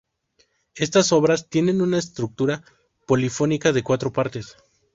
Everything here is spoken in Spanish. Estas obras tienen una estructura polifónica de cuatro partes.